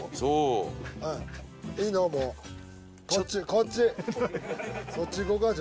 こっち